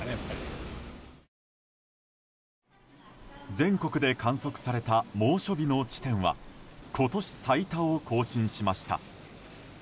全国で観測された猛暑日の地点は今年最多を更新しました。